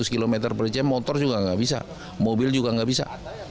tiga ratus km per jam motor juga tidak bisa mobil juga tidak bisa